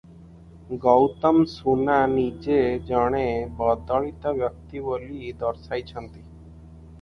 ଗୌତମ ସୁନା ନିଜେ ଜଣେ ଦଳିତ ବ୍ୟକ୍ତି ବୋଲି ଦର୍ଶାଇଛନ୍ତି ।